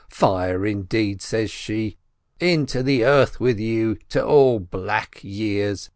Fire, indeed, says she ! Into the earth with you, to all black years